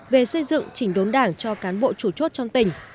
về xây dựng chỉnh đốn đảng cho cán bộ chủ chốt trong tỉnh